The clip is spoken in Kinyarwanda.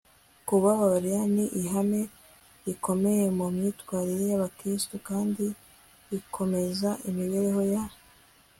kubabarira ni ihame rikomeye mu myitwarire y'abakristu kandi bikomeza imibereho ya